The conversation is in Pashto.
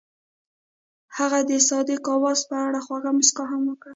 هغې د صادق اواز په اړه خوږه موسکا هم وکړه.